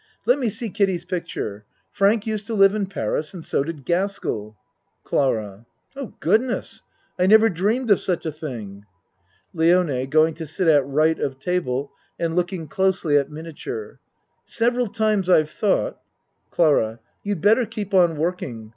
Let me see Kiddie's ACT II 51 picture. Frank used to live in Paris, and so did Gaskell. CLARA Oh, Goodness! I never dreamed of such a thing. LIONE (Going to sit at R. of table and looking closely at miniature.) Several times I've thought CLARA You'd better keep on working.